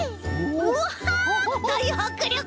わあだいはくりょく！